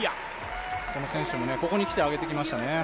この選手もここにきてあげてきました。